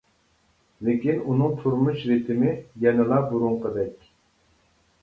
لېكىن ئۇنىڭ تۇرمۇش رىتىمى يەنىلا بۇرۇنقىدەك.